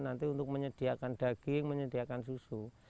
nanti untuk menyediakan daging menyediakan susu